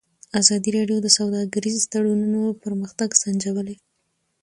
ازادي راډیو د سوداګریز تړونونه پرمختګ سنجولی.